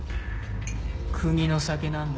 国の酒なんだ。